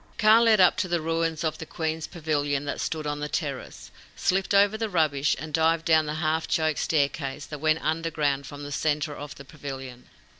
Kaa led up to the ruins of the queens' pavilion that stood on the terrace, slipped over the rubbish, and dived down the half choked staircase that went underground from the centre of the pavilion.